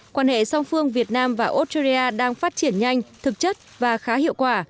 quan hệ song phương việt nam và australia đang phát triển nhanh thực chất và khá hiệu quả